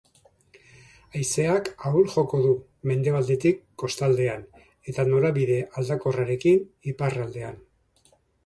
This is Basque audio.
Haizeak ahul joko du, mendebaldetik kostaldean eta norabide aldakorrarekin iparraldean.